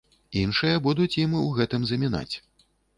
Іншыя будуць ім у гэтым замінаць.